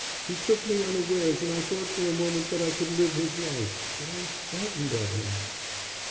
He took me unawares and I thought for a moment that I could live his life. But I'm frightened of him."